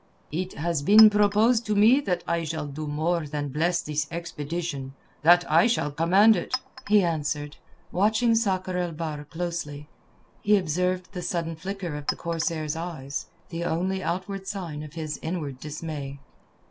"It has been proposed to me that I shall do more than bless this expedition—that I shall command it," he answered, watching Sakr el Bahr closely. He observed the sudden flicker of the corsair's eyes, the only outward sign of his inward dismay.